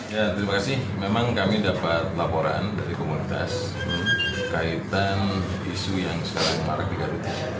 ya terima kasih memang kami dapat laporan dari komunitas kaitan isu yang selama tiga bulan